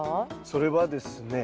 それはですね